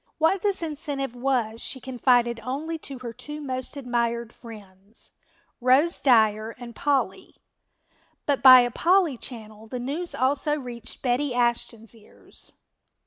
What this incentive was she confided only to her two most admired friends, Rose Dyer and Polly, but by a Polly channel the news also reached Betty Ashton's ears.